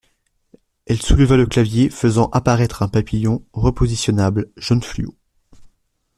Elle souleva le clavier, faisant apparaître un papillon repositionnable jaune fluo.